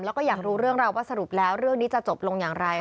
แล้วก็อยากรู้เรื่องราวว่าสรุปแล้วเรื่องนี้จะจบลงอย่างไร